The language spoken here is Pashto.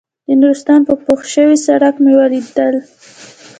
د نورستان په پوخ شوي سړک مې وليدل.